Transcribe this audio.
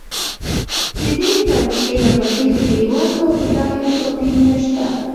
د دې فرضیې له مخې د بېوزلو او بډایو توپیرونه شته.